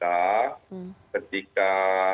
yang memiliki kesehatan karyawan